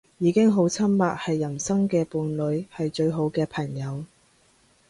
已經好親密，係人生嘅伴侶，係最好嘅朋友